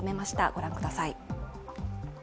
ご覧ください。